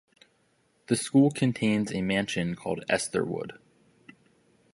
The school contains a mansion called Estherwood.